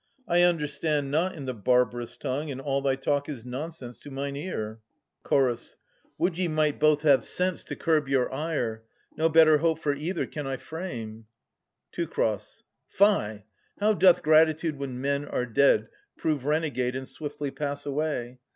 I understand not in the barbarous tongue. And all thy talk is nonsense to mine ear. Ch. Would ye might both have sense to curb your ire ! No better hope for either can I frame. Teu. Fie ! How doth gratitude when men are dead Prove renegade and swiftly pass away